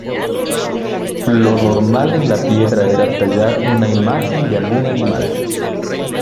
Lo normal en la piedra era tallar una imagen de algún animal.